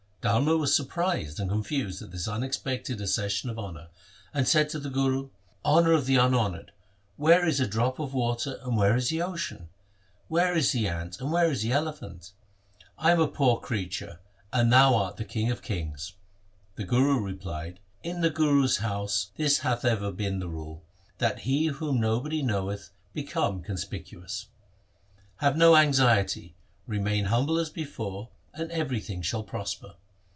Dharma was surprised and confused at this unexpected accession of honour, and said to the Guru, ' Honour of the unhonoured, where is a drop of water and where is the ocean ? Where is the ant and where is the elephant ? I am a poor creature and thou art the king of kings.' The Guru replied, ' In the Guru's house this hath ever been the rule, that he whom nobody knoweth be cometh conspicuous. Have no anxiety, remain humble as before, and everything shall prosper.'